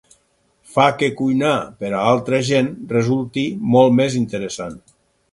Fa que cuinar per a altra gent resulti molt més interessant.